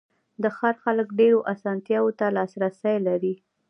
د ښار خلک ډېرو آسانتیاوو ته لاسرسی لري.